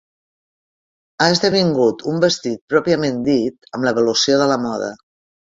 Ha esdevingut un vestit pròpiament dit amb l'evolució de la moda.